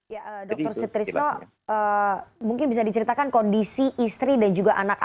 ya dr setrisno mungkin bisa diceritakan kondisi istri dan juga anaknya